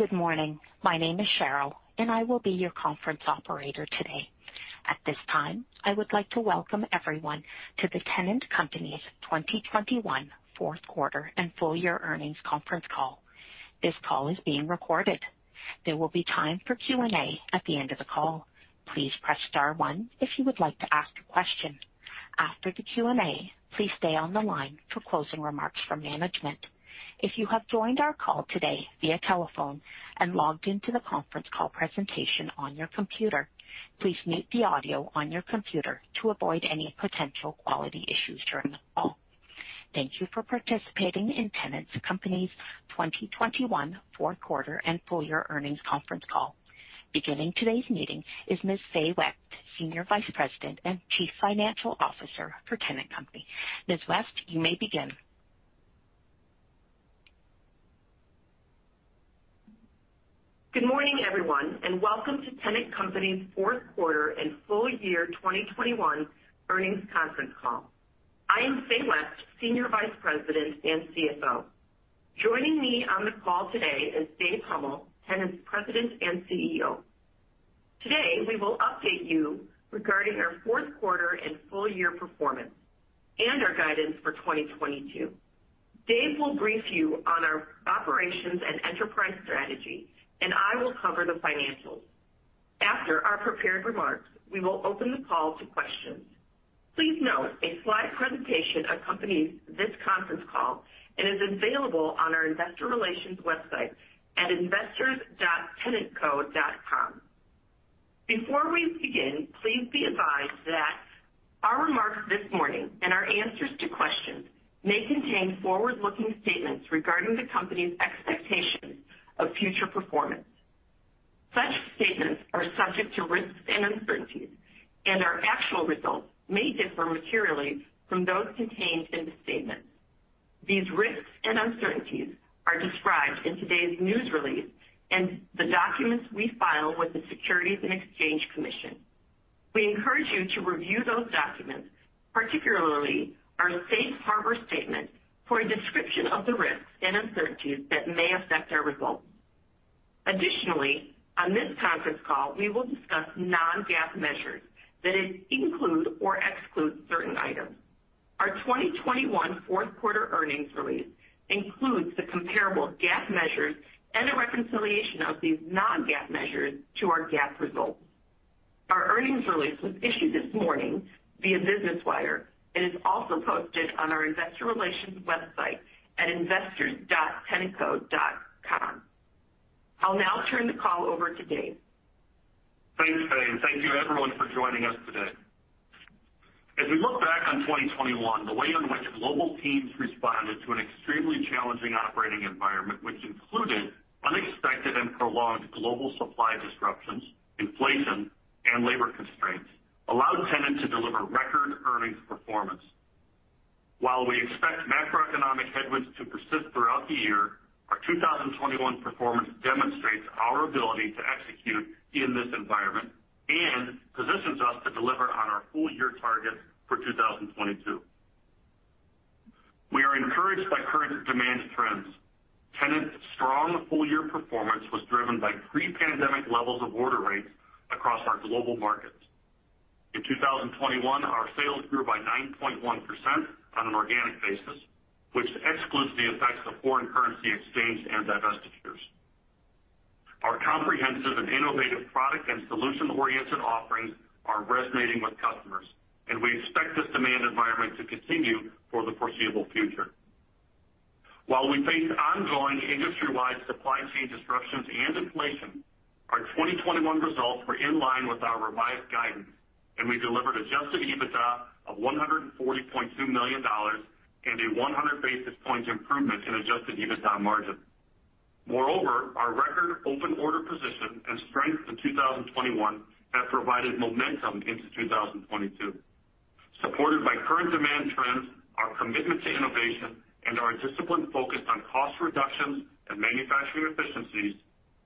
Good morning. My name is Cheryl, and I will be your conference operator today. At this time, I would like to welcome everyone to the Tennant Company's 2021 fourth quarter and full year earnings conference call. This call is being recorded. There will be time for Q&A at the end of the call. Please press star one if you would like to ask a question. After the Q&A, please stay on the line for closing remarks from management. If you have joined our call today via telephone and logged into the conference call presentation on your computer, please mute the audio on your computer to avoid any potential quality issues during the call. Thank you for participating in Tennant Company's 2021 fourth quarter and full year earnings conference call. Beginning today's meeting is Ms. Fay West, Senior Vice President and Chief Financial Officer for Tennant Company. Ms. West, you may begin. Good morning, everyone, and welcome to Tennant Company's fourth quarter and full year 2021 earnings conference call. I am Fay West, Senior Vice President and CFO. Joining me on the call today is Dave Huml, Tennant's President and CEO. Today, we will update you regarding our fourth quarter and full year performance and our guidance for 2022. Dave will brief you on our operations and enterprise strategy, and I will cover the financials. After our prepared remarks, we will open the call to questions. Please note a slide presentation accompanies this conference call and is available on our investor relations website at investors.tennantco.com. Before we begin, please be advised that our remarks this morning and our answers to questions may contain forward-looking statements regarding the company's expectations of future performance. Such statements are subject to risks and uncertainties, and our actual results may differ materially from those contained in the statement. These risks and uncertainties are described in today's news release and the documents we file with the Securities and Exchange Commission. We encourage you to review those documents, particularly our safe harbor statement, for a description of the risks and uncertainties that may affect our results. Additionally, on this conference call, we will discuss non-GAAP measures that include or exclude certain items. Our 2021 fourth quarter earnings release includes the comparable GAAP measures and a reconciliation of these non-GAAP measures to our GAAP results. Our earnings release was issued this morning via Business Wire and is also posted on our investor relations website at investors.tennantco.com. I'll now turn the call over to Dave. Thanks, Fay. Thank you, everyone, for joining us today. As we look back on 2021, the way in which global teams responded to an extremely challenging operating environment, which included unexpected and prolonged global supply disruptions, inflation, and labor constraints, allowed Tennant to deliver record earnings performance. While we expect macroeconomic headwinds to persist throughout the year, our 2021 performance demonstrates our ability to execute in this environment and positions us to deliver on our full year targets for 2022. We are encouraged by current demand trends. Tennant's strong full year performance was driven by pre-pandemic levels of order rates across our global markets. In 2021, our sales grew by 9.1% on an organic basis, which excludes the effects of foreign currency exchange and divestitures. Our comprehensive and innovative product and solution-oriented offerings are resonating with customers, and we expect this demand environment to continue for the foreseeable future. While we face ongoing industry-wide supply chain disruptions and inflation, our 2021 results were in line with our revised guidance, and we delivered Adjusted EBITDA of $140.2 million and a 100 basis point improvement in Adjusted EBITDA margin. Moreover, our record open order position and strength in 2021 have provided momentum into 2022. Supported by current demand trends, our commitment to innovation, and our disciplined focus on cost reductions and manufacturing efficiencies,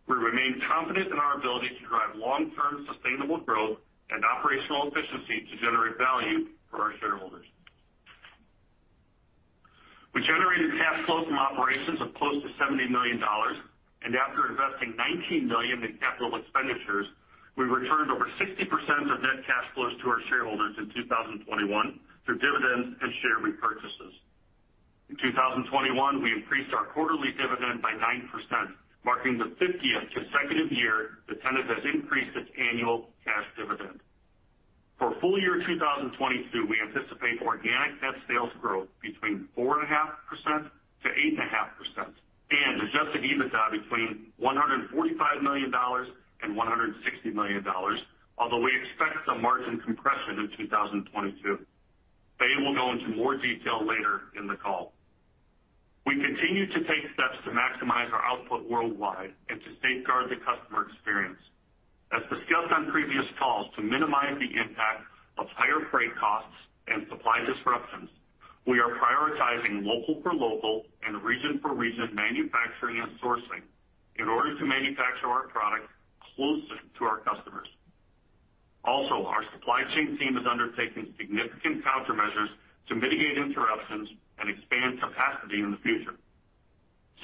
we remain confident in our ability to drive long-term sustainable growth and operational efficiency to generate value for our shareholders. We generated cash flow from operations of close to $70 million. After investing $19 million in capital expenditures, we returned over 60% of net cash flows to our shareholders in 2021 through dividends and share repurchases. In 2021, we increased our quarterly dividend by 9%, marking the 50th consecutive year that Tennant has increased its annual cash dividend. For full year 2022, we anticipate organic net sales growth between 4.5% and 8.5% and Adjusted EBITDA between $145 million and $160 million, although we expect some margin compression in 2022. Fay will go into more detail later in the call. We continue to take steps to maximize our output worldwide and to safeguard the customer experience. As discussed on previous calls, to minimize the impact of higher freight costs and supply disruptions, we are prioritizing local for local and region for region manufacturing and sourcing in order to manufacture our products closer to our customers. Also, our supply chain team is undertaking significant countermeasures to mitigate interruptions and expand capacity in the future.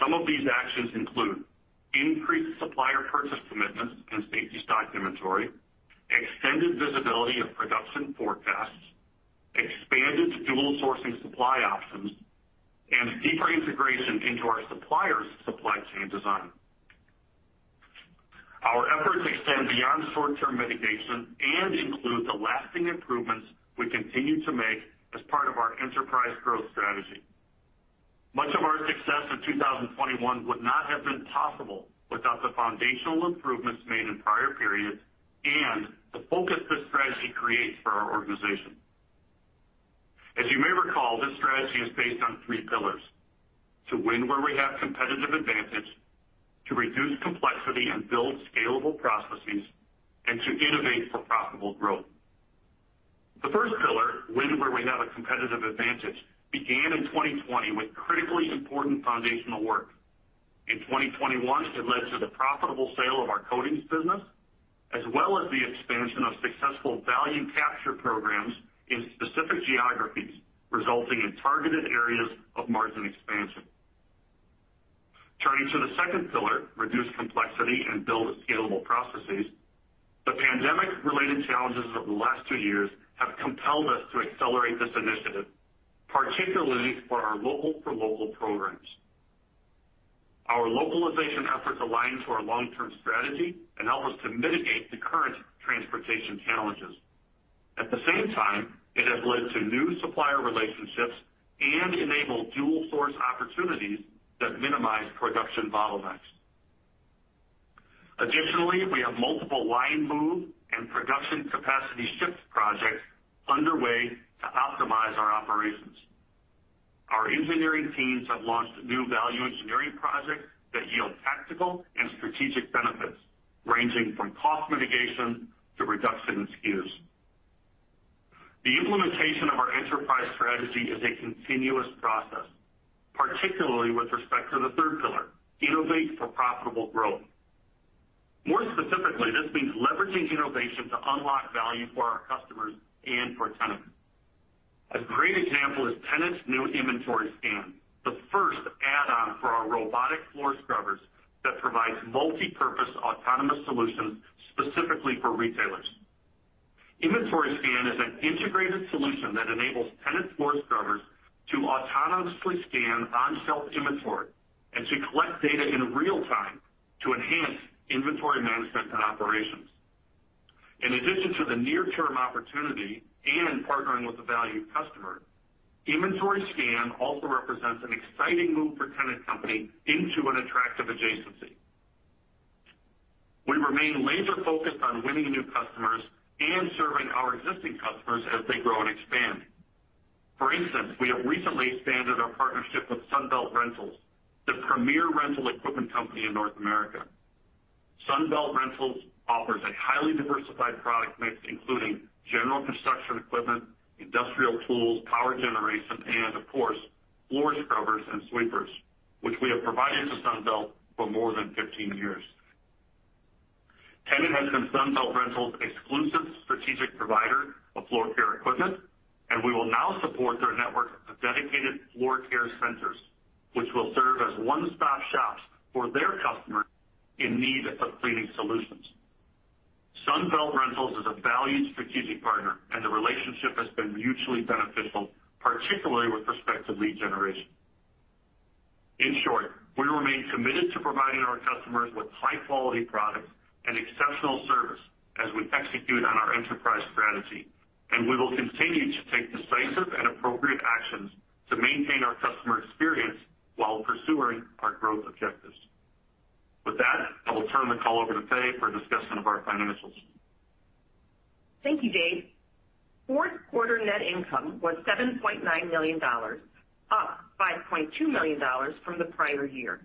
Some of these actions include increased supplier purchase commitments and safety stock inventory, extended visibility of production forecasts, expanded dual sourcing supply options, and deeper integration into our suppliers' supply chain design. Our efforts extend beyond short-term mitigation and include the lasting improvements we continue to make as part of our enterprise growth strategy. Much of our success in 2021 would not have been possible without the foundational improvements made in prior periods and the focus this strategy creates for our organization. As you may recall, this strategy is based on three pillars to win where we have competitive advantage, to reduce complexity and build scalable processes, and to innovate for profitable growth. The first pillar, win where we have a competitive advantage, began in 2020 with critically important foundational work. In 2021, it led to the profitable sale of our coatings business, as well as the expansion of successful value capture programs in specific geographies, resulting in targeted areas of margin expansion. Turning to the second pillar, reduce complexity and build scalable processes, the pandemic-related challenges of the last two years have compelled us to accelerate this initiative, particularly for our local-for-local programs. Our localization efforts align to our long-term strategy and help us to mitigate the current transportation challenges. At the same time, it has led to new supplier relationships and enabled dual source opportunities that minimize production bottlenecks. Additionally, we have multiple line move and production capacity shift projects underway to optimize our operations. Our engineering teams have launched new value engineering projects that yield tactical and strategic benefits, ranging from cost mitigation to reduction in SKUs. The implementation of our enterprise strategy is a continuous process, particularly with respect to the third pillar, innovate for profitable growth. More specifically, this means leveraging innovation to unlock value for our customers and for Tennant. A great example is Tennant's new Inventory Scan, the first add-on for our robotic floor scrubbers that provides multi-purpose autonomous solutions specifically for retailers. Inventory Scan is an integrated solution that enables Tennant floor scrubbers to autonomously scan on-shelf inventory and to collect data in real time to enhance inventory management and operations. In addition to the near-term opportunity and partnering with a valued customer, Inventory Scan also represents an exciting move for Tennant Company into an attractive adjacency. We remain laser-focused on winning new customers and serving our existing customers as they grow and expand. For instance, we have recently expanded our partnership with Sunbelt Rentals, the premier rental equipment company in North America. Sunbelt Rentals offers a highly diversified product mix, including general construction equipment, industrial tools, power generation, and of course, floor scrubbers and sweepers, which we have provided to Sunbelt for more than 15 years. Tennant has been Sunbelt Rentals' exclusive strategic provider of floor care equipment, and we will now support their network of dedicated floor care centers, which will serve as one-stop shops for their customers in need of cleaning solutions. Sunbelt Rentals is a valued strategic partner and the relationship has been mutually beneficial, particularly with respect to lead generation. In short, we remain committed to providing our customers with high-quality products and exceptional service as we execute on our enterprise strategy, and we will continue to take decisive and appropriate actions to maintain our customer experience while pursuing our growth objectives. With that, I will turn the call over to Fay for a discussion of our financials. Thank you, Dave. Fourth quarter net income was $7.9 million, up $5.2 million from the prior year.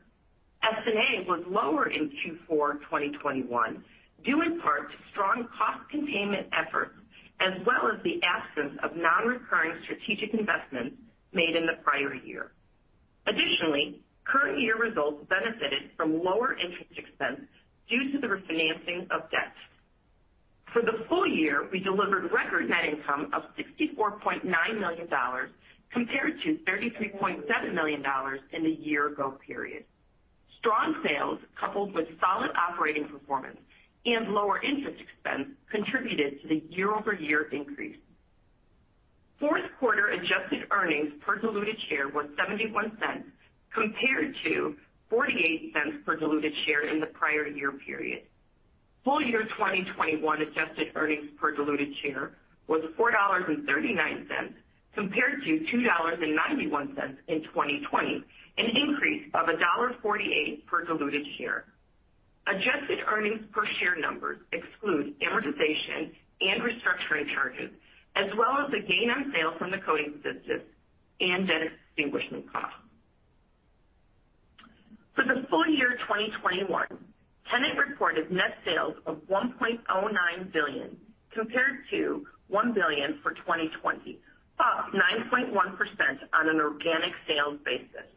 S&A was lower in Q4 2021 due in part to strong cost containment efforts as well as the absence of non-recurring strategic investments made in the prior year. Additionally, current year results benefited from lower interest expense due to the refinancing of debt. For the full year, we delivered record net income of $64.9 million compared to $33.7 million in the year ago period. Strong sales coupled with solid operating performance and lower interest expense contributed to the year-over-year increase. Fourth quarter adjusted earnings per diluted share was $0.71 compared to $0.48 per diluted share in the prior year period. Full year 2021 adjusted earnings per diluted share was $4.39 compared to $2.91 in 2020, an increase of $1.48 per diluted share. Adjusted earnings per share numbers exclude amortization and restructuring charges as well as the gain on sale from the coatings business and debt extinguishment costs. For the full year 2021, Tennant reported net sales of $1.09 billion compared to $1 billion for 2020, up 9.1% on an organic sales basis.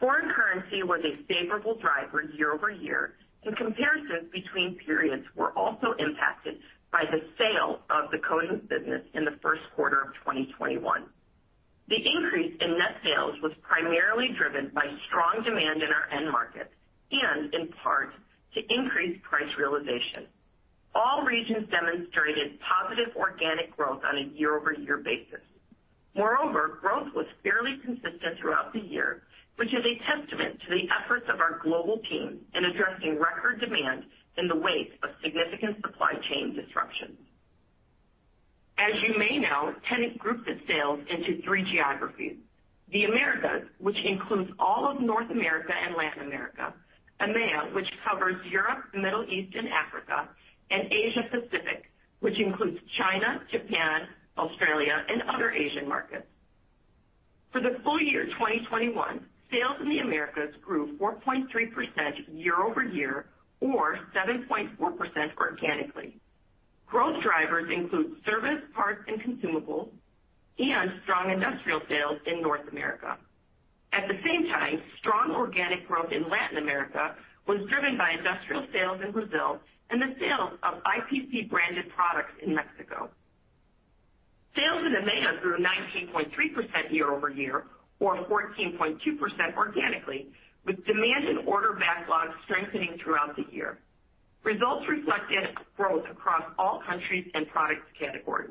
Foreign currency was a favorable driver year-over-year, and comparisons between periods were also impacted by the sale of the coatings business in the first quarter of 2021. The increase in net sales was primarily driven by strong demand in our end markets and in part to increased price realization. All regions demonstrated positive organic growth on a year-over-year basis. Moreover, growth was fairly consistent throughout the year, which is a testament to the efforts of our global team in addressing record demand in the wake of significant supply chain disruptions. As you may know, Tennant groups its sales into three geographies. The Americas, which includes all of North America and Latin America, EMEA, which covers Europe, Middle East, and Africa, and Asia Pacific, which includes China, Japan, Australia, and other Asian markets. For the full year 2021, sales in the Americas grew 4.3% year-over-year or 7.4% organically. Growth drivers include service, parts and consumables and strong industrial sales in North America. At the same time, strong organic growth in Latin America was driven by industrial sales in Brazil and the sales of IPC-branded products in Mexico. Sales in EMEA grew 19.3% year-over-year or 14.2% organically, with demand and order backlogs strengthening throughout the year. Results reflected growth across all countries and product categories.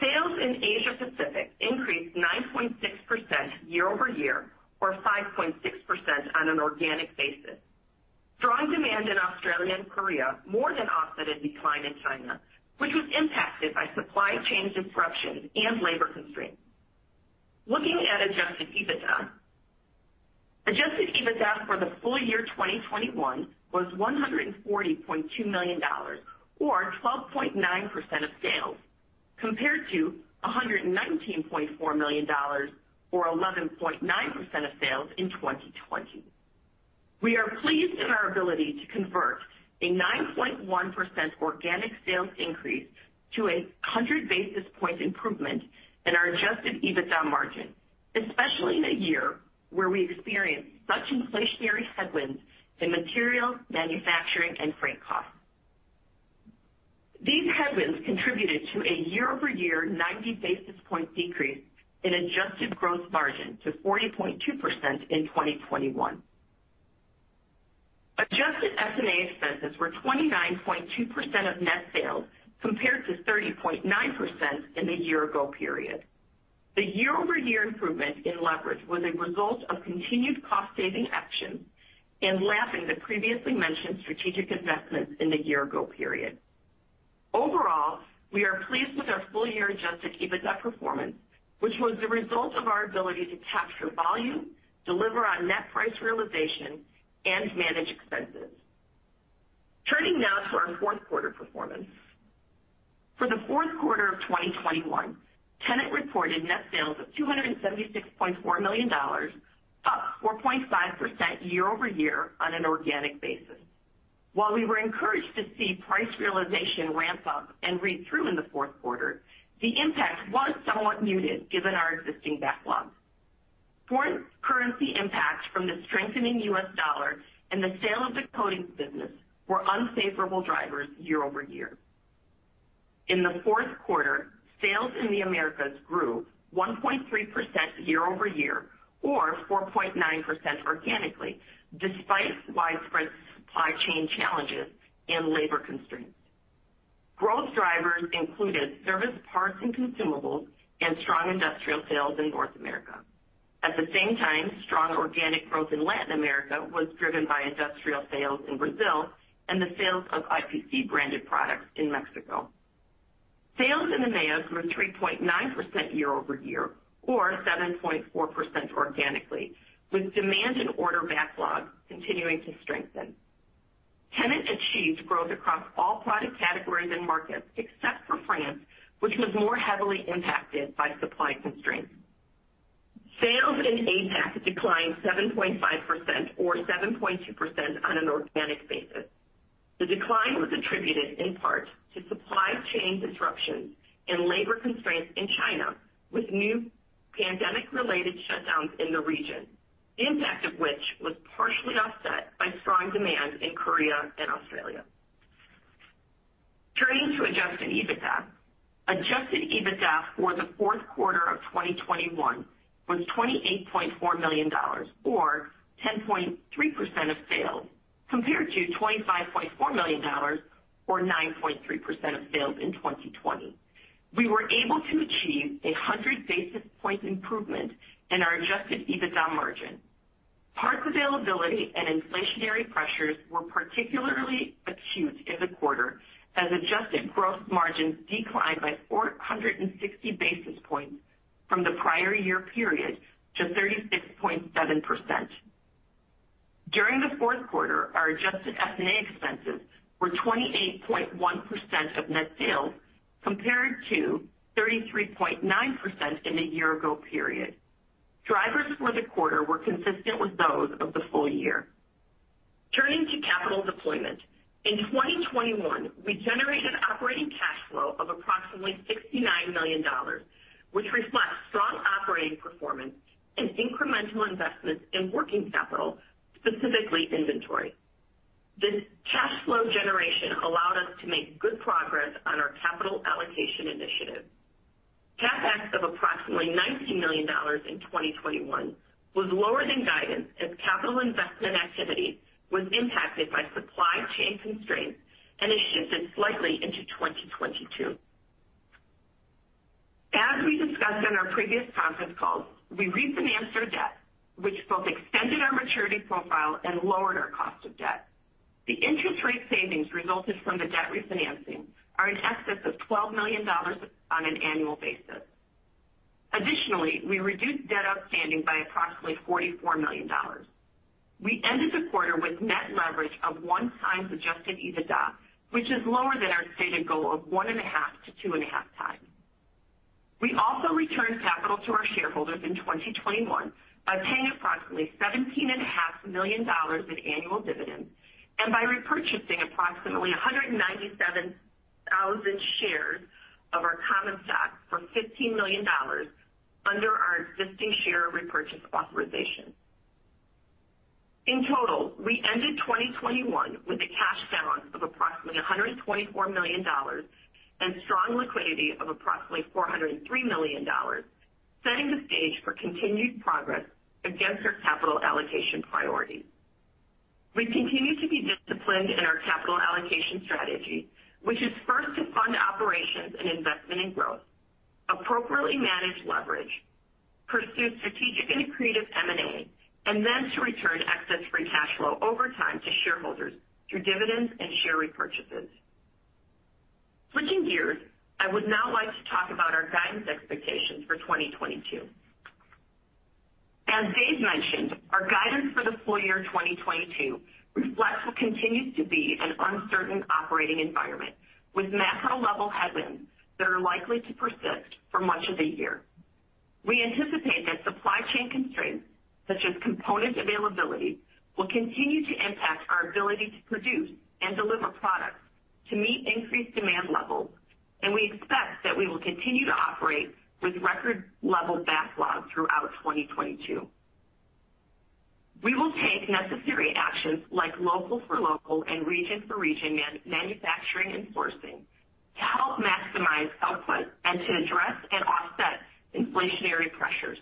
Sales in Asia Pacific increased 9.6% year-over-year or 5.6% on an organic basis. Strong demand in Australia and Korea more than offset a decline in China, which was impacted by supply chain disruptions and labor constraints. Looking at Adjusted EBITDA. Adjusted EBITDA for the full year 2021 was $140.2 million or 12.9% of sales, compared to $119.4 million or 11.9% of sales in 2020. We are pleased in our ability to convert a 9.1% organic sales increase to a 100 basis point improvement in our Adjusted EBITDA margin, especially in a year where we experienced such inflationary headwinds in materials, manufacturing, and freight costs. These headwinds contributed to a year-over-year 90 basis point decrease in adjusted gross margin to 40.2% in 2021. Adjusted S&A expenses were 29.2% of net sales, compared to 30.9% in the year-ago period. The year-over-year improvement in leverage was a result of continued cost saving actions and lapping the previously mentioned strategic investments in the year-ago period. Overall, we are pleased with our full year Adjusted EBITDA performance, which was the result of our ability to capture volume, deliver on net price realization, and manage expenses. Turning now to our fourth quarter performance. For the fourth quarter of 2021, Tennant reported net sales of $276.4 million, up 4.5% year-over-year on an organic basis. While we were encouraged to see price realization ramp up and read through in the fourth quarter, the impact was somewhat muted given our existing backlogs. Foreign currency impacts from the strengthening U.S. dollar and the sale of the coatings business were unfavorable drivers year-over-year. In the fourth quarter, sales in the Americas grew 1.3% year-over-year or 4.9% organically, despite widespread supply chain challenges and labor constraints. Growth drivers included service parts and consumables and strong industrial sales in North America. At the same time, strong organic growth in Latin America was driven by industrial sales in Brazil and the sales of IPC-branded products in Mexico. Sales in EMEA grew 3.9% year-over-year or 7.4% organically, with demand and order backlogs continuing to strengthen. Tennant achieved growth across all product categories and markets, except for France, which was more heavily impacted by supply constraints. Sales in APAC declined 7.5% or 7.2% on an organic basis. The decline was attributed in part to supply chain disruptions and labor constraints in China, with new pandemic-related shutdowns in the region, the impact of which was partially offset by strong demand in Korea and Australia. Turning to Adjusted EBITDA. Adjusted EBITDA for the fourth quarter of 2021 was $28.4 million or 10.3% of sales, compared to $25.4 million or 9.3% of sales in 2020. We were able to achieve 100 basis point improvement in our Adjusted EBITDA margin. Parts availability and inflationary pressures were particularly acute in the quarter as adjusted gross margins declined by 460 basis points from the prior year period to 36.7%. During the fourth quarter, our adjusted S&A expenses were 28.1% of net sales, compared to 33.9% in the year ago period. Drivers for the quarter were consistent with those of the full year. Turning to capital deployment. In 2021, we generated operating cash flow of approximately $69 million, which reflects strong operating performance and incremental investments in working capital, specifically inventory. This cash flow generation allowed us to make good progress on our capital allocation initiative. CapEx of approximately $90 million in 2021 was lower than guidance as capital investment activity was impacted by supply chain constraints and has shifted slightly into 2022. As we discussed on our previous conference calls, we refinanced our debt, which both extended our maturity profile and lowered our cost of debt. The interest rate savings resulted from the debt refinancing are in excess of $12 million on an annual basis. Additionally, we reduced debt outstanding by approximately $44 million. We ended the quarter with net leverage of 1x Adjusted EBITDA, which is lower than our stated goal of 1.5x-2.5x. We also returned capital to our shareholders in 2021 by paying approximately $17.5 million in annual dividends and by repurchasing approximately 197,000 shares of our common stock for $15 million under our existing share repurchase authorization. In total, we ended 2021 with a cash balance of approximately $124 million and strong liquidity of approximately $403 million, setting the stage for continued progress against our capital allocation priorities. We continue to be disciplined in our capital allocation strategy, which is first to fund operations and investment in growth, appropriately manage leverage, pursue strategic and accretive M&A, and then to return excess free cash flow over time to shareholders through dividends and share repurchases. Switching gears, I would now like to talk about our guidance expectations for 2022. As Dave mentioned, our guidance for the full year 2022 reflects what continues to be an uncertain operating environment with macro level headwinds that are likely to persist for much of the year. We anticipate that supply chain constraints, such as component availability, will continue to impact our ability to produce and deliver products to meet increased demand levels, and we expect that we will continue to operate with record level backlogs throughout 2022. We will take necessary actions like local for local and region for region manufacturing and sourcing to help maximize output and to address and offset inflationary pressures.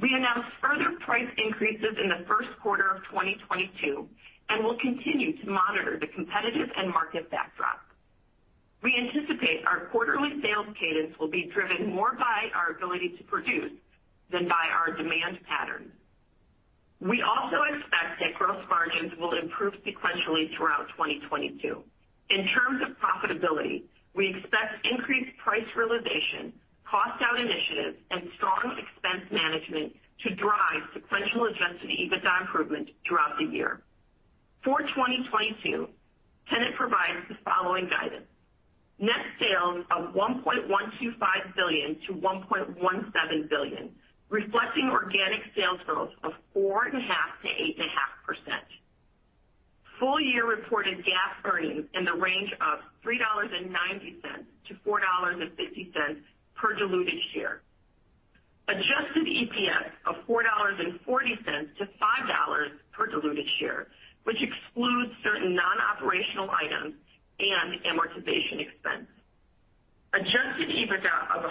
We announced further price increases in the first quarter of 2022 and will continue to monitor the competitive and market backdrop. We anticipate our quarterly sales cadence will be driven more by our ability to produce than by our demand patterns. We also expect that gross margins will improve sequentially throughout 2022. In terms of profitability, we expect increased price realization, cost out initiatives, and strong expense management to drive sequential Adjusted EBITDA improvement throughout the year. For 2022, Tennant provides the following guidance. Net sales of $1.125 billion-$1.17 billion, reflecting organic sales growth of 4.5%-8.5%. Full-year reported GAAP earnings in the range of $3.90-$4.50 per diluted share. Adjusted EPS of $4.40-$5 per diluted share, which excludes certain non-operational items and amortization expense. Adjusted EBITDA of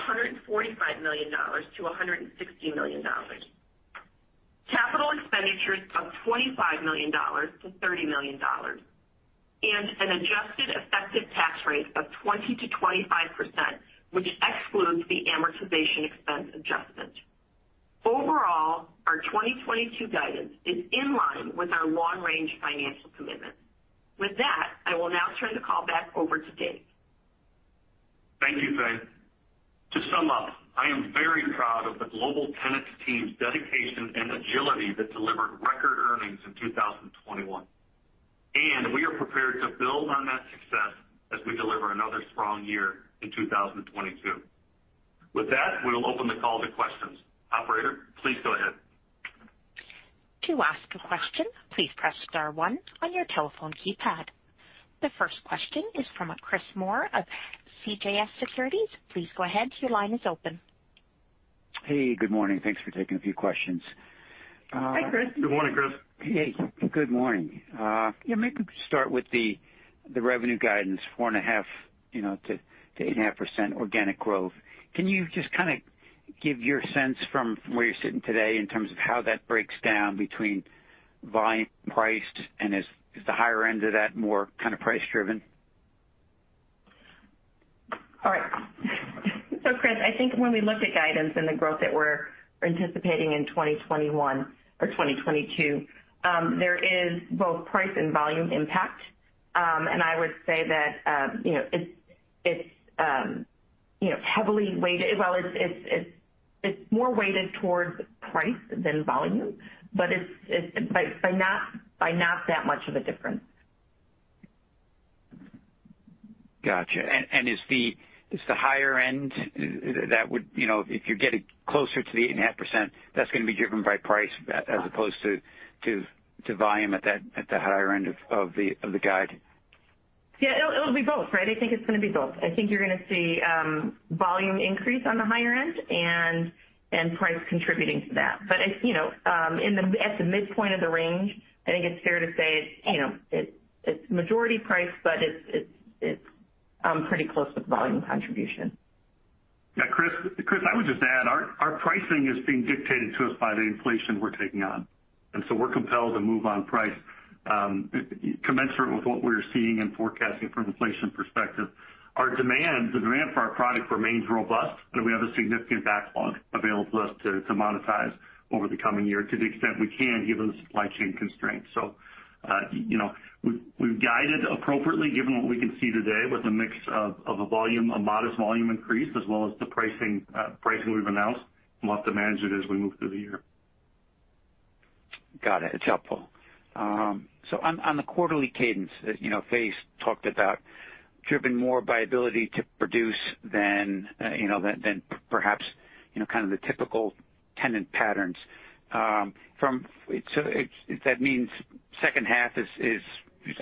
$145 million-$160 million. Capital expenditures of $25 million-$30 million. An adjusted effective tax rate of 20%-25%, which excludes the amortization expense adjustment. Overall, our 2022 guidance is in line with our long-range financial commitments. With that, I will now turn the call back over to Dave. Thank you, Fay. To sum up, I am very proud of the global Tennant team's dedication and agility that delivered record earnings in 2021. We are prepared to build on that success as we deliver another strong year in 2022. With that, we'll open the call to questions. Operator, please go ahead. To ask a question, please press star one on your telephone keypad. The first question is from Chris Moore of CJS Securities. Please go ahead. Your line is open. Hey, good morning. Thanks for taking a few questions. Hi, Chris. Good morning, Chris. Hey, good morning. Yeah, maybe we could start with the revenue guidance, 4.5%-8.5% organic growth. Can you just kinda give your sense from where you're sitting today in terms of how that breaks down between volume, price, and is the higher end of that more kind of price-driven? All right. Chris, I think when we look at guidance and the growth that we're anticipating in 2021 or 2022, there is both price and volume impact. I would say that, you know, it's heavily weighted, it's more weighted towards price than volume, but it's by not that much of a difference. Gotcha. Is the higher end that would, you know, if you're getting closer to the 8.5%, that's gonna be driven by price as opposed to volume at the higher end of the guide? Yeah, it'll be both, right? I think it's gonna be both. I think you're gonna see volume increase on the higher end and price contributing to that. You know, at the midpoint of the range, I think it's fair to say, you know, it's majority price, but it's pretty close with volume contribution. Yeah, Chris, I would just add, our pricing is being dictated to us by the inflation we're taking on, and so we're compelled to move on price, commensurate with what we're seeing and forecasting from an inflation perspective. Our demand, the demand for our product remains robust, and we have a significant backlog available to us to monetize over the coming year to the extent we can given the supply chain constraints. You know, we've guided appropriately given what we can see today with a mix of a volume, a modest volume increase as well as the pricing we've announced. We'll have to manage it as we move through the year. Got it. It's helpful. On the quarterly cadence, you know, Fay talked about driven more by ability to produce than, you know, perhaps, you know, kind of the typical Tennant patterns. If that means second half is,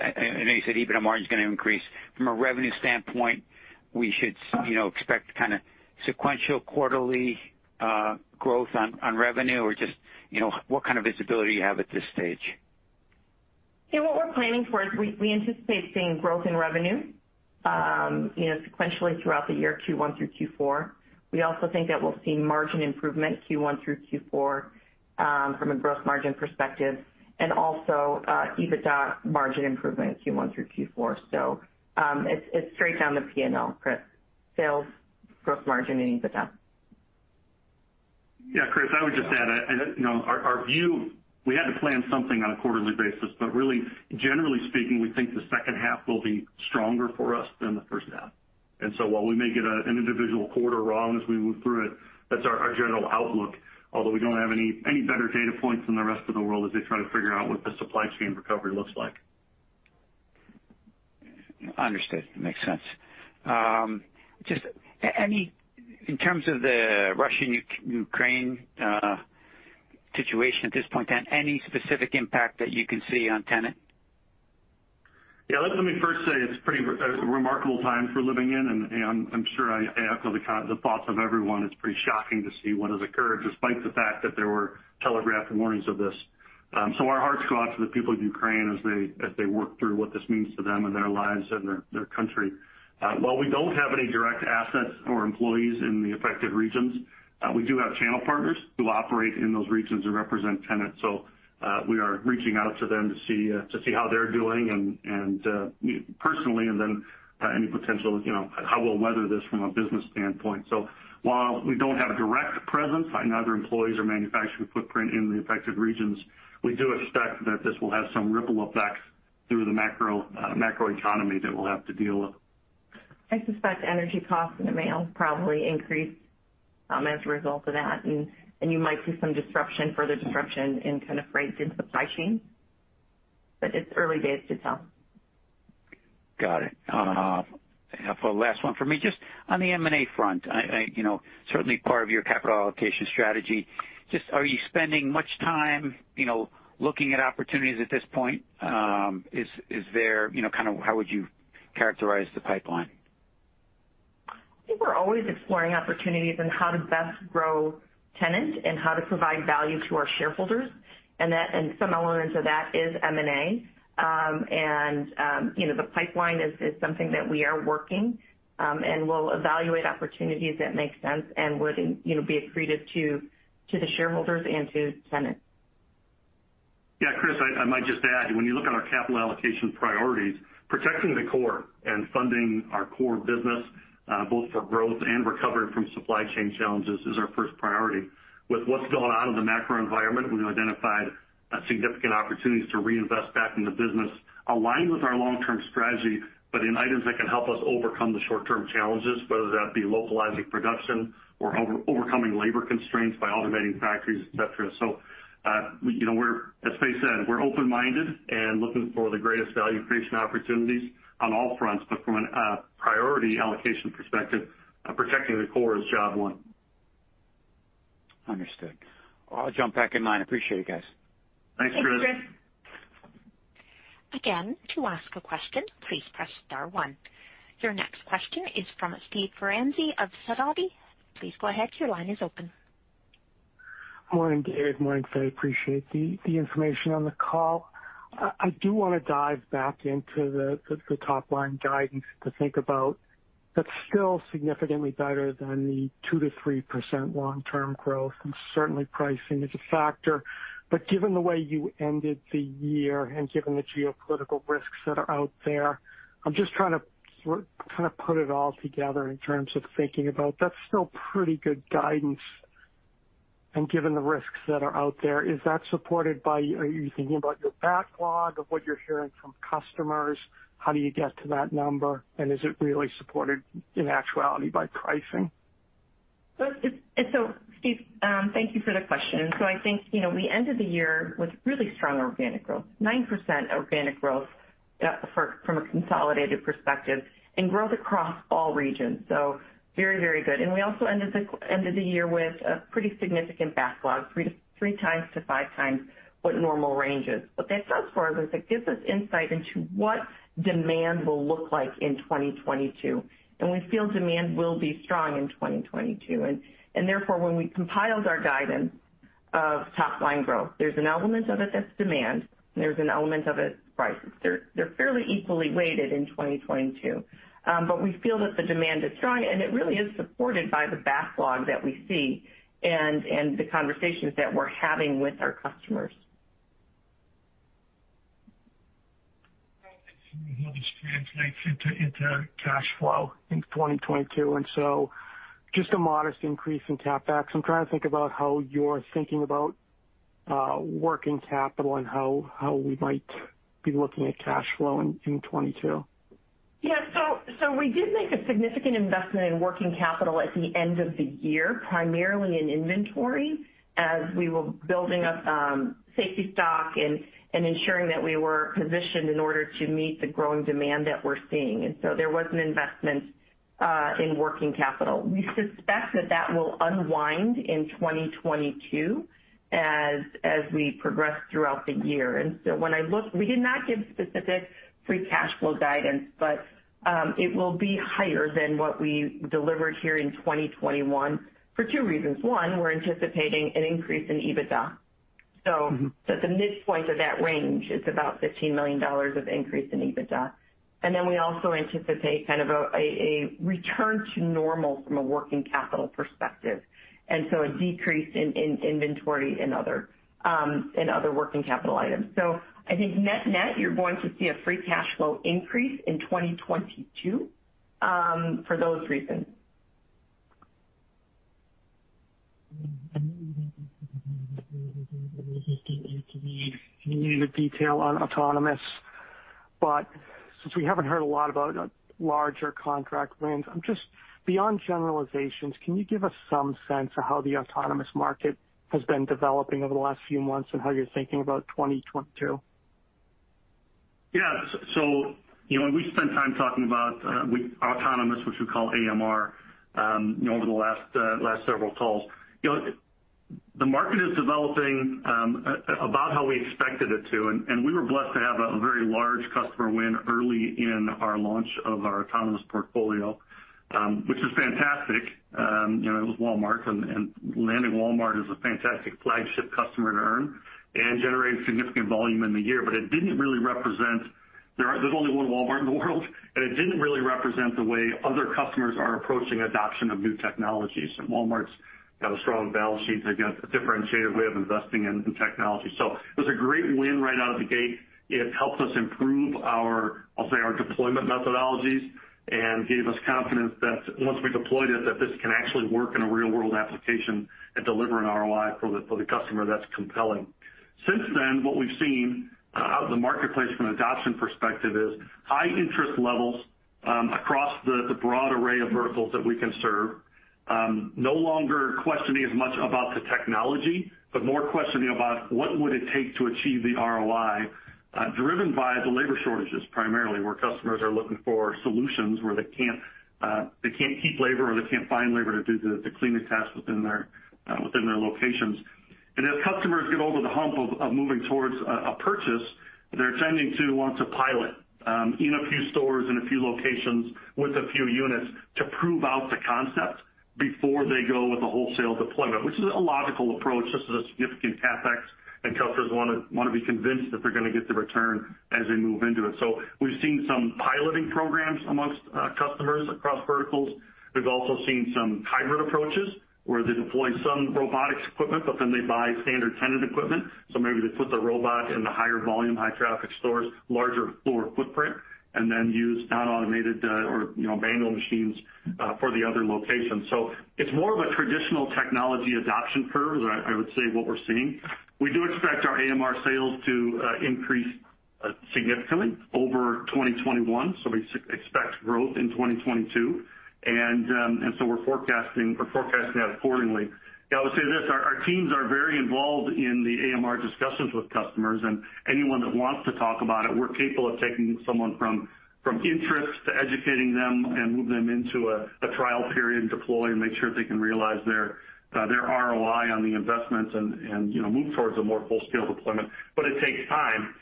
I know you said EBITDA margin is gonna increase. From a revenue standpoint, we should, you know, expect kinda sequential quarterly growth on revenue, or just, you know, what kind of visibility you have at this stage? Yeah, what we're planning for is we anticipate seeing growth in revenue, you know, sequentially throughout the year, Q1 through Q4. We also think that we'll see margin improvement Q1 through Q4, from a gross margin perspective and also, EBITDA margin improvement Q1 through Q4. It's straight down the P&L, Chris. Sales, gross margin and EBITDA. Yeah, Chris, I would just add, you know, our view, we had to plan something on a quarterly basis, but really, generally speaking, we think the second half will be stronger for us than the first half. While we may get an individual quarter wrong as we move through it, that's our general outlook, although we don't have any better data points than the rest of the world as they try to figure out what the supply chain recovery looks like. Understood. Makes sense. Just any in terms of the Russia-Ukraine situation at this point in time, any specific impact that you can see on Tennant? Yeah, let me first say it's a pretty remarkable time we're living in, and I'm sure I echo the thoughts of everyone. It's pretty shocking to see what has occurred despite the fact that there were telegraphed warnings of this. Our hearts go out to the people of Ukraine as they work through what this means to them and their lives and their country. While we don't have any direct assets or employees in the affected regions, we do have channel partners who operate in those regions and represent Tennant. We are reaching out to them to see how they're doing and personally and then any potential, you know, how we'll weather this from a business standpoint. While we don't have a direct presence and other employees or manufacturing footprint in the affected regions, we do expect that this will have some ripple effects through the macro economy that we'll have to deal with. I suspect energy costs in the mill probably increased, as a result of that, and you might see some disruption, further disruption in kind of freight and supply chain, but it's early days to tell. Got it. For my last one for me, just on the M&A front, I you know, certainly part of your capital allocation strategy. Just, are you spending much time, you know, looking at opportunities at this point? Is there, you know, kinda how would you characterize the pipeline? I think we're always exploring opportunities on how to best grow Tennant and how to provide value to our shareholders, and some elements of that is M&A. You know, the pipeline is something that we are working, and we'll evaluate opportunities that make sense and would, you know, be accretive to the shareholders and to Tennant. Yeah, Chris, I might just add, when you look at our capital allocation priorities, protecting the core and funding our core business both for growth and recovery from supply chain challenges is our first priority. With what's going on in the macro environment, we've identified significant opportunities to reinvest back in the business, align with our long-term strategy, but in items that can help us overcome the short-term challenges, whether that be localizing production or overcoming labor constraints by automating factories, etc. You know, we're, as Fay said, we're open-minded and looking for the greatest value creation opportunities on all fronts. From an priority allocation perspective, protecting the core is job one. Understood. I'll jump back in line. Appreciate it, guys. Thanks, Chris. Thanks, Chris. Again, to ask a question, please press star one. Your next question is from Steve Ferazani of Sidoti. Please go ahead. Your line is open. Morning, Dave. Morning, Fay. Appreciate the information on the call. I do wanna dive back into the top-line guidance to think about, that's still significantly better than the 2%-3% long-term growth, and certainly pricing is a factor. Given the way you ended the year and given the geopolitical risks that are out there, I'm just trying to kinda put it all together in terms of thinking about, that's still pretty good guidance. Given the risks that are out there, are you thinking about your backlog of what you're hearing from customers? How do you get to that number? Is it really supported in actuality by pricing? Steve, thank you for the question. I think, you know, we ended the year with really strong organic growth, 9% organic growth, from a consolidated perspective and growth across all regions. Very good. We also ended the year with a pretty significant backlog, 3x-5x what normal range is. What that does for us, it gives us insight into what demand will look like in 2022. We feel demand will be strong in 2022. Therefore, when we compiled our guidance of top line growth, there's an element of it that's demand, and there's an element of it prices. They're fairly equally-weighted in 2022. We feel that the demand is strong, and it really is supported by the backlog that we see and the conversations that we're having with our customers. Translates into cash flow in 2022, just a modest increase in CapEx. I'm trying to think about how you're thinking about working capital and how we might be looking at cash flow in 2022. We did make a significant investment in working capital at the end of the year, primarily in inventory, as we were building up safety stock and ensuring that we were positioned in order to meet the growing demand that we're seeing. There was an investment in working capital. We suspect that will unwind in 2022 as we progress throughout the year. We did not give specific free cash flow guidance, but it will be higher than what we delivered here in 2021 for two reasons. One, we're anticipating an increase in EBITDA At the midpoint of that range, it's about $15 million of increase in EBITDA. Then we also anticipate kind of a return to normal from a working capital perspective, and so a decrease in inventory and other working capital items. I think net-net, you're going to see a free cash flow increase in 2022 for those reasons. More detail on autonomous. Since we haven't heard a lot about larger contract wins, beyond generalizations, can you give us some sense of how the autonomous market has been developing over the last few months and how you're thinking about 2022? Yeah. We spent time talking about with autonomous, which we call AMR, you know, over the last several calls. You know, the market is developing about how we expected it to. We were blessed to have a very large customer win early in our launch of our autonomous portfolio, which is fantastic. You know, it was Walmart, and landing Walmart is a fantastic flagship customer to earn and generate significant volume in the year. But it didn't really represent. There's only one Walmart in the world, and it didn't really represent the way other customers are approaching adoption of new technologies. Walmart's got a strong balance sheet. They've got a differentiated way of investing in new technology. It was a great win right out of the gate. It helped us improve our, I'll say, our deployment methodologies and gave us confidence that once we deployed it, that this can actually work in a real-world application and deliver an ROI for the, for the customer that's compelling. Since then, what we've seen out of the marketplace from an adoption perspective is high interest levels across the broad array of verticals that we can serve. No longer questioning as much about the technology, but more questioning about what would it take to achieve the ROI, driven by the labor shortages, primarily, where customers are looking for solutions, where they can't they can't keep labor or they can't find labor to do the cleaning tasks within their within their locations. As customers get over the hump of moving towards a purchase, they're tending to want to pilot in a few stores, in a few locations with a few units to prove out the concept before they go with a wholesale deployment, which is a logical approach. This is a significant CapEx, and customers wanna be convinced that they're gonna get the return as they move into it. We've seen some piloting programs amongst customers across verticals. We've also seen some hybrid approaches where they deploy some robotics equipment, but then they buy standard Tennant equipment. Maybe they put the robots in the higher volume, high traffic stores, larger floor footprint, and then use non-automated, or, you know, manual machines for the other locations. It's more of a traditional technology adoption curve, I would say what we're seeing. We do expect our AMR sales to increase significantly over 2021, so we expect growth in 2022. We're forecasting that accordingly. Yeah, I would say this, our teams are very involved in the AMR discussions with customers and anyone that wants to talk about it. We're capable of taking someone from interest to educating them and move them into a trial period deploy and make sure they can realize their ROI on the investments and, you know, move towards a more full-scale deployment. It takes time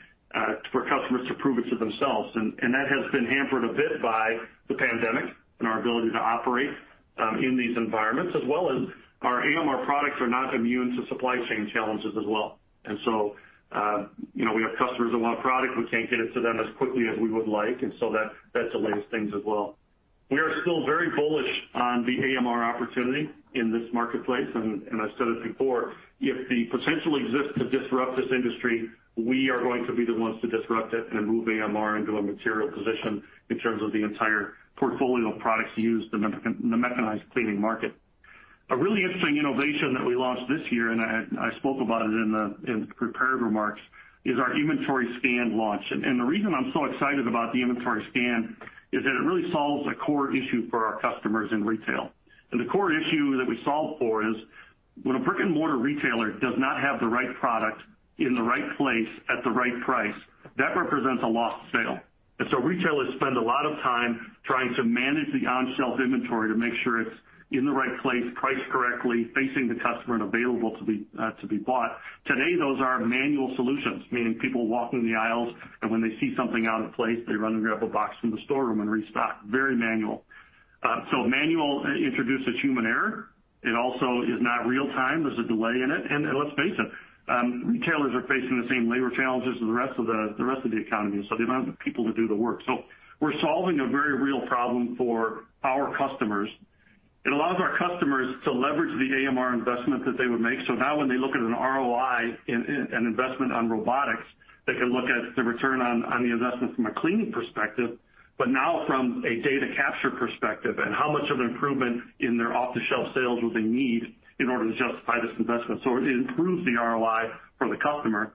for customers to prove it to themselves. That has been hampered a bit by the pandemic and our ability to operate in these environments as well as our AMR products are not immune to supply chain challenges as well. You know, we have customers that want product, we can't get it to them as quickly as we would like, and so that delays things as well. We are still very bullish on the AMR opportunity in this marketplace, and I've said it before, if the potential exists to disrupt this industry, we are going to be the ones to disrupt it and move AMR into a material position in terms of the entire portfolio of products used in the mechanized cleaning market. A really interesting innovation that we launched this year, and I spoke about it in the prepared remarks, is our Inventory Scan launch. The reason I'm so excited about the Inventory Scan is that it really solves a core issue for our customers in retail. The core issue that we solve for is when a brick-and-mortar retailer does not have the right product in the right place at the right price, that represents a lost sale. Retailers spend a lot of time trying to manage the on-shelf inventory to make sure it's in the right place, priced correctly, facing the customer, and available to be to be bought. Today, those are manual solutions, meaning people walking the aisles, and when they see something out of place, they run and grab a box from the storeroom and restock. Very manual. Manual introduces human error. It also is not real time. There's a delay in it. Let's face it, retailers are facing the same labor challenges as the rest of the economy. They don't have the people to do the work. We're solving a very real problem for our customers. It allows our customers to leverage the AMR investment that they would make. Now when they look at an ROI in an investment on robotics, they can look at the return on the investment from a cleaning perspective, but now from a data capture perspective and how much of an improvement in their off-the-shelf sales would they need in order to justify this investment. It improves the ROI for the customer.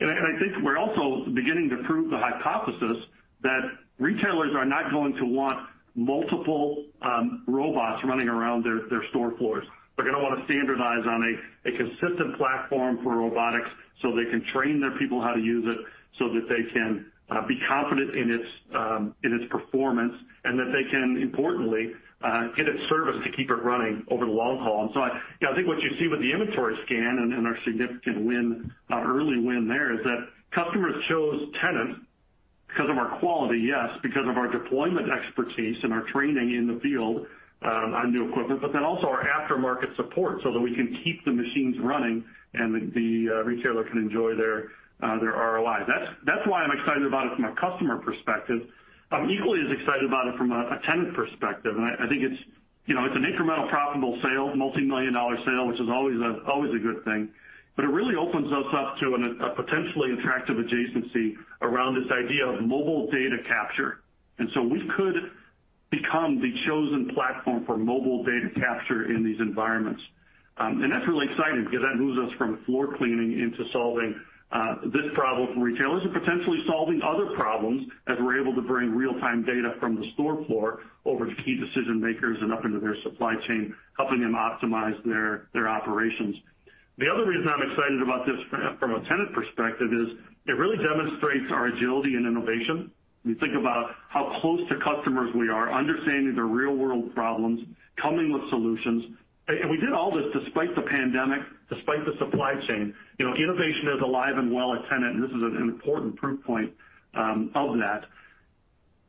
I think we're also beginning to prove the hypothesis that retailers are not going to want multiple robots running around their store floors. They're gonna wanna standardize on a consistent platform for robotics so they can train their people how to use it so that they can be confident in its performance, and that they can importantly get it serviced to keep it running over the long haul. I think what you see with the Inventory Scan and our significant early win there is that customers chose Tennant because of our quality, yes, because of our deployment expertise and our training in the field on new equipment, but then also our aftermarket support so that we can keep the machines running and the retailer can enjoy their ROI. That's why I'm excited about it from a customer perspective. I'm equally as excited about it from a Tennant perspective. I think you know, it's an incremental profitable sale, multimillion-dollar sale, which is always a good thing. It really opens us up to a potentially attractive adjacency around this idea of mobile data capture. We could become the chosen platform for mobile data capture in these environments. That's really exciting because that moves us from floor cleaning into solving this problem for retailers and potentially solving other problems as we're able to bring real-time data from the store floor over to key decision-makers and up into their supply chain, helping them optimize their operations. The other reason I'm excited about this from a Tennant perspective is it really demonstrates our agility and innovation. When you think about how close to customers we are, understanding their real-world problems, coming with solutions. We did all this despite the pandemic, despite the supply chain. You know, innovation is alive and well at Tennant, and this is an important proof point of that.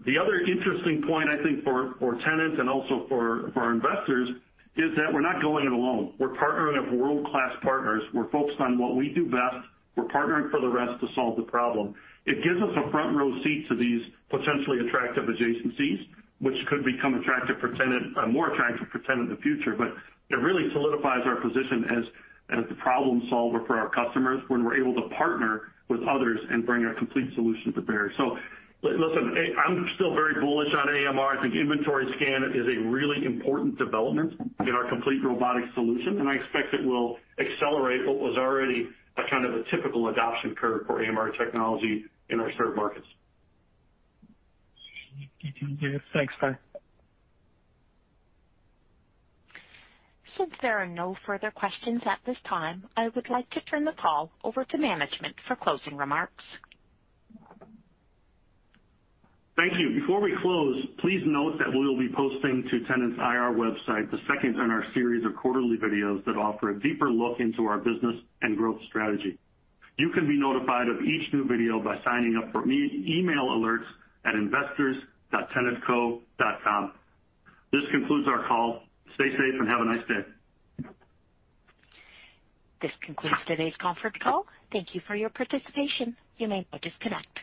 The other interesting point, I think, for Tennant and also for our investors is that we're not going it alone. We're partnering with world-class partners. We're focused on what we do best. We're partnering for the rest to solve the problem. It gives us a front-row seat to these potentially attractive adjacencies, which could become attractive for Tennant, more attractive for Tennant in the future. But it really solidifies our position as the problem solver for our customers when we're able to partner with others and bring a complete solution to bear. Listen, hey, I'm still very bullish on AMR. I think Inventory Scan is a really important development in our complete robotic solution, and I expect it will accelerate what was already a kind of a typical adoption curve for AMR technology in our served markets. Good to hear. Thanks, Dave. Since there are no further questions at this time, I would like to turn the call over to management for closing remarks. Thank you. Before we close, please note that we will be posting to Tennant's IR website the second in our series of quarterly videos that offer a deeper look into our business and growth strategy. You can be notified of each new video by signing up for email alerts at investors.tennantco.com. This concludes our call. Stay safe and have a nice day. This concludes today's conference call. Thank you for your participation. You may now disconnect.